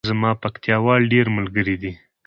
زما پکتیاوال ډیر ملګری دی